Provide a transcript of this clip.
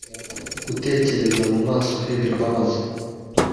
Gutekereza mu maso he birababaza